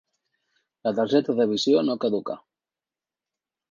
La targeta de visió no caduca.